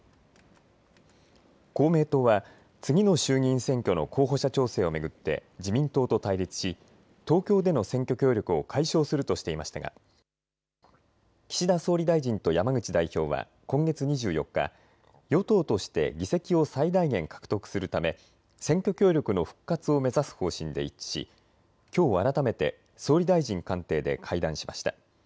公明党は次の衆議院選挙の候補者調整を巡って自民党と対立し東京での選挙協力を解消するとしていましたが岸田総理大臣と山口代表は今月２４日、与党として議席を最大限獲得するため選挙協力の復活を目指す方針で一致し、きょう改めて総理大臣官邸で会談しました。